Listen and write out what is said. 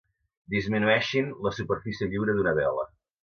Disminueixin la superfície lliure d'una vela.